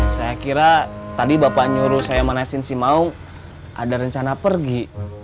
saya kira tadi bapak nyuruh saya manasin sih mau ada rencana pergi